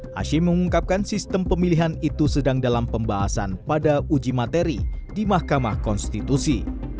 hashim mengungkapkan sistem pemilihan itu sedang dalam pembahasan pada uji materi di mahkamah konstitusi